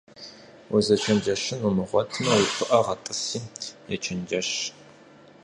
Узэчэнджэщын умыгъуэтмэ, уи пыӀэ гъэтӏыси ечэнджэщ.